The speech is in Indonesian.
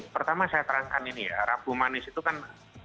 pertama saya terangkan ini ya rabu manis itu kan